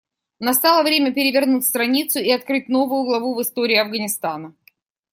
Настало время перевернуть страницу и открыть новую главу в истории Афганистана.